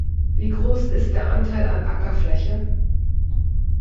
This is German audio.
Wie groß ist der Anteil an Ackerfläche?